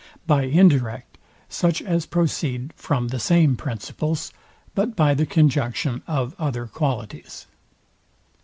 By indirect such as proceed from the same principles, but by the conjunction of other qualities.